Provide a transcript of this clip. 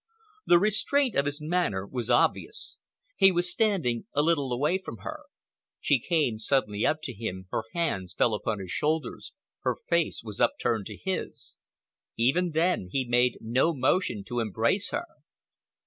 The restraint of his manner was obvious. He was standing a little away from her. She came suddenly up to him, her hands fell upon his shoulders, her face was upturned to his. Even then he made no motion to embrace her.